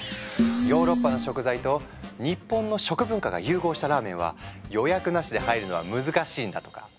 ヨーロッパの食材と日本の食文化が融合したラーメンは予約なしで入るのは難しいんだとか。